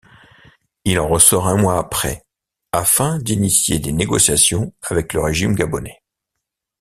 Il en ressort un mois après, afin d'initier des négociations avec le régime gabonais.